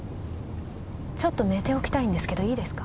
ちょっと寝ておきたいんですけどいいですか？